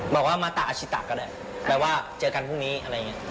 บอกว่ามาตะอาชิตะก็ได้แปลว่าเจอกันพรุ่งนี้อะไรอย่างนี้